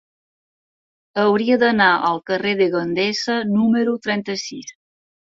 Hauria d'anar al carrer de Gandesa número trenta-sis.